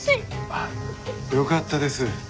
ああよかったです。